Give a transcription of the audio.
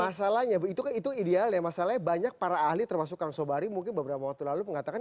masalahnya itu ideal ya masalahnya banyak para ahli termasuk kang sobari mungkin beberapa waktu lalu mengatakan